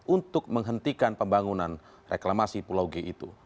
untuk menghentikan pembangunan reklamasi pulau g itu